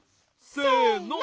せの。